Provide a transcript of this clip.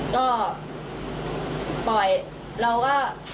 ก็ปล่อยแล้วก็